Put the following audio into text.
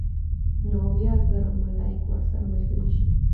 نو اويا زره ملائک ورسره ملګري شي